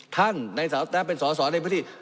ท่านเป็นสอสรในพื้นที่